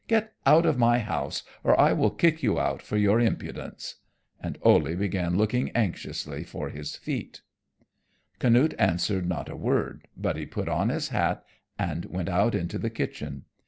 Get out of my house or I will kick you out for your impudence." And Ole began looking anxiously for his feet. Canute answered not a word, but he put on his hat and went out into the kitchen.